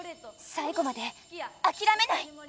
最後まであきらめない！